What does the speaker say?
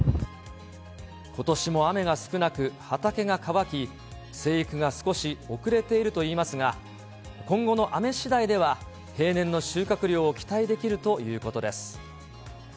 ことしも雨が少なく、畑が乾き、生育が少し遅れているといいますが、今後の雨しだいでは、平年の収穫量を期待できるということです。